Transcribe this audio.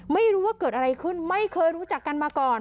ไม่รู้ว่าเกิดอะไรขึ้นไม่เคยรู้จักกันมาก่อน